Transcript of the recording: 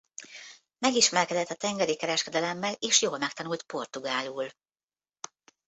Megismerkedett a tengeri kereskedelemmel és jól megtanult portugálul.